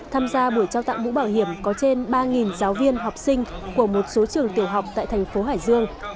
tham gia buổi trao tặng mũ bảo hiểm có trên ba giáo viên học sinh của một số trường tiểu học tại thành phố hải dương